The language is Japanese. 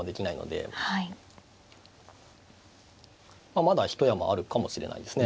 まだ一山あるかもしれないですね。